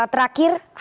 terakhir pak rustam